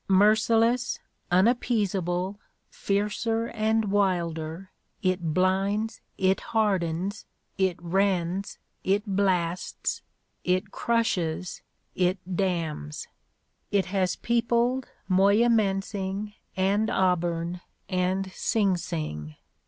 Merciless, unappeasable, fiercer and wilder it blinds, it hardens, it rends, it blasts, it crushes, it damns. It has peopled Moyamensing, and Auburn, and Sing Sing.